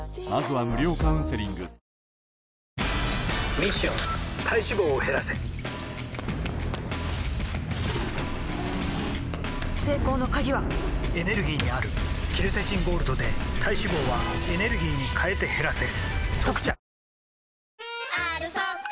ミッション体脂肪を減らせ成功の鍵はエネルギーにあるケルセチンゴールドで体脂肪はエネルギーに変えて減らせ「特茶」